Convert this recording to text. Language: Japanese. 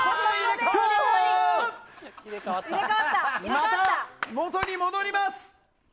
また元に戻ります！